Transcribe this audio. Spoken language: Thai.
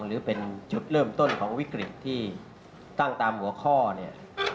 หรือเป็นจุดเริ่มต้นของวิกฤตที่ตั้งตามหัวข้อเนี่ย